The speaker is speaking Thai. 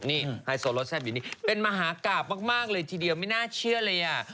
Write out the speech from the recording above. นี่ไฮโซโรสแซ่บินี่เป็นมหากราบมากเลยทีเดียวไม่น่าเชื่อเลยอ่ะ